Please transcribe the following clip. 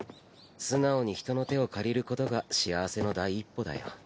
素直に人の手を借りることが幸せの第一歩だよ。